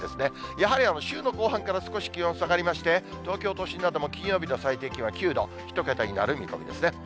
やはり週の後半から少し気温下がりまして、東京都心なども金曜日の最低気温は９度、１桁になる見込みですね。